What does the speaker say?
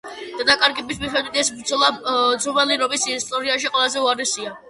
დანაკარგების მიხედვით ეს ბრძოლა ძველი რომის ისტორიაში ყველაზე უარესია.